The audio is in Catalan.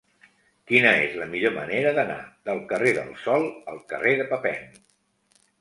Quina és la millor manera d'anar del carrer del Sol al carrer de Papin?